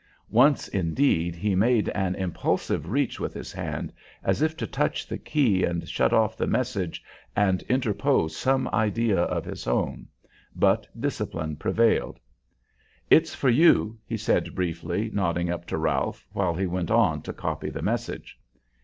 Once, indeed, he made an impulsive reach with his hand, as if to touch the key and shut off the message and interpose some idea of his own, but discipline prevailed. "It's for you," he said, briefly, nodding up to Ralph, while he went on to copy the message.